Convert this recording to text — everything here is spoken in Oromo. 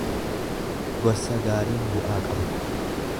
Gorsa gaariin bu’aa qaba.